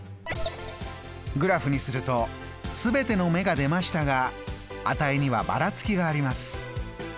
グラフにすると全ての目が出ましたが値にはばらつきがあります。